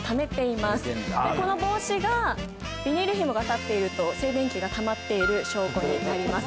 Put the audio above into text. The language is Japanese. この帽子がビニールひもが立っていると静電気がたまっている証拠になります。